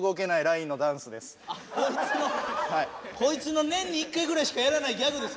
こいつの年に１回ぐらいしかやらないギャグです